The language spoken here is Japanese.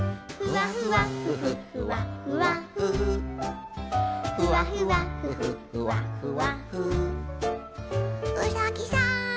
「ふわふわふわふわふわふふふわふわふわふわふわ」